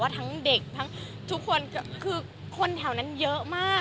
ทั้งเด็กทั้งทุกคนคือคนแถวนั้นเยอะมาก